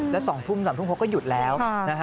และ๒ทุ่ม๓ทุ่มเขาก็หยุดแล้ว